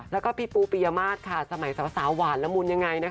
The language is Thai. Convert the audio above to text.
แล้วพีปูปฤยมาศสมัยสวะสาววานละมุนยังไง